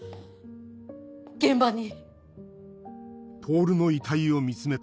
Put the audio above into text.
現場に。